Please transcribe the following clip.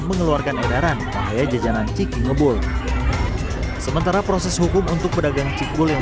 mengeluarkan edaran bahaya jajanan ciki ngebul sementara proses hukum untuk pedagang cikbul yang